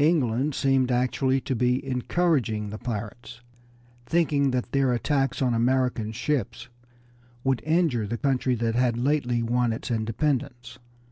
England seemed actually to be encouraging the pirates, thinking that their attacks on American ships would injure the country that had lately won its independence.